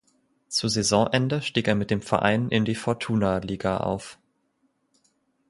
Zu Saisonende stieg er mit dem Verein in die Fortuna liga auf.